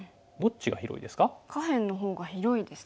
下辺の方が広いですよね。